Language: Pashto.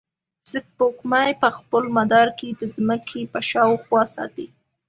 سپوږمۍ په خپل مدار کې د ځمکې په شاوخوا ساتي.